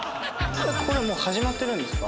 これもう始まってるんですか？